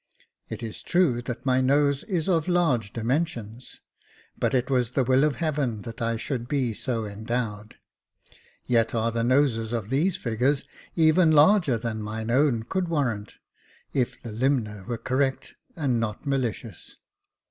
It is true that my nose is of large dimensions, but it was the will of Heaven that I should be so endowed ; yet are the noses of these figures even larger than mine own could warrant, if the limner were correct, and not malicious.